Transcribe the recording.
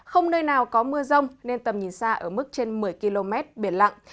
không nơi nào có mưa rông nên tầm nhìn xa ở mức trên một mươi km biển lặng